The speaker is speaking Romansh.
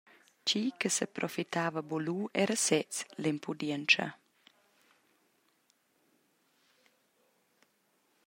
Tgi che seprofitava buca lu era sez l’empudientscha.